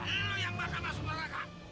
lu yang bakal masuk neraka